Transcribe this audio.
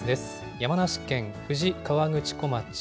山梨県富士河口湖町。